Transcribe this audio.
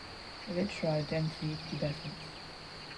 Elytra densely pubescent.